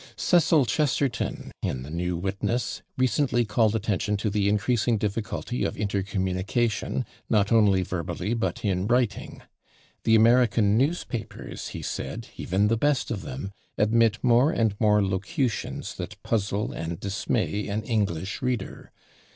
Cecil Chesterton, in the /New Witness/, recently called attention to the increasing difficulty of intercommunication, not only verbally, but in writing. The American newspapers, he said, even the best of them, admit more and more locutions that puzzle and dismay an English reader.